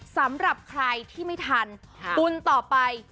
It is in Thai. สำหรับใครที่ไม่ทันบุญต่อไป